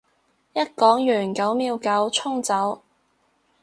一講完九秒九衝走